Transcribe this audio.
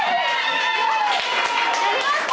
やりました！